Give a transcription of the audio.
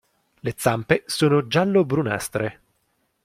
Le zampe sono giallo-brunastre.